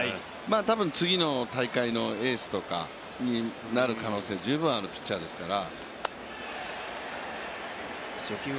たぶん次の大会のエースとかになる可能性、十分あるピッチャーですから。